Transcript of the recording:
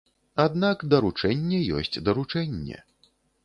Аднак даручэнне ёсць даручэнне.